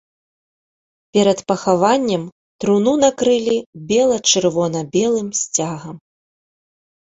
Перад пахаваннем труну накрылі бела-чырвона-белым сцягам.